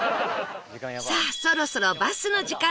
さあそろそろバスの時間ですよ